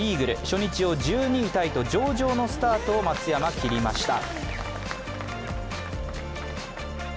初日を１２位タイと上々のスタートを松山、切りました。